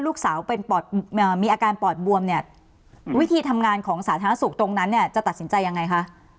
ลูกสาวมีอาการปอดบวมวิธีทำงานของสาธารณสุขตรงนั้นจะตัดสินใจยังไงคะ